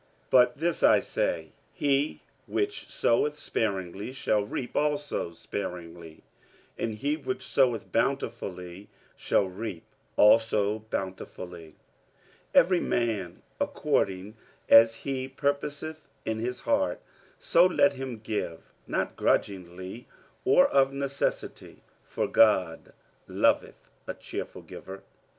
47:009:006 But this I say, He which soweth sparingly shall reap also sparingly; and he which soweth bountifully shall reap also bountifully. 47:009:007 Every man according as he purposeth in his heart, so let him give; not grudgingly, or of necessity: for God loveth a cheerful giver.